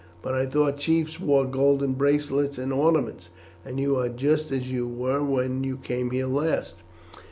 But I thought chiefs wore golden bracelets and ornaments, and you are just as you were when you came here last."